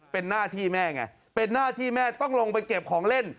เป็นหน้าที่แม่ไงเป็นหน้าที่แม่ต้องลงไปเก็บของเล่น